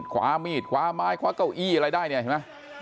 ขวามีดคว้าไม้คว้าเก้าอี้อะไรได้เนี่ยเห็นไหม